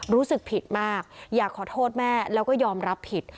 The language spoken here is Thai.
รู้สึกผิดมากอยากขอโทษแม่แล้วก็ยอมรับผิด